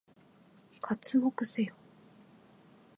刮目せよ！